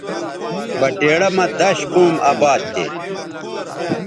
بٹیڑہ مہ دش قوم اباد تھے